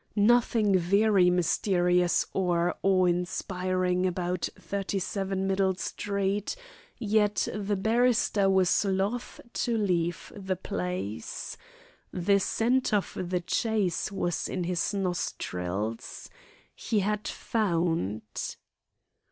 Nothing very mysterious or awe inspiring about 37 Middle Street, yet the barrister was loth to leave the place. The scent of the chase was in his nostrils. He had "found."